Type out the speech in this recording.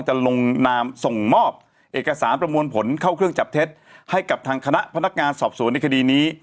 ลงนามส่งมอบเอกสารประมวลผลเข้าเครื่องจับเท็จให้กับทางคณะพนักงานสอบสวนในคดีนี้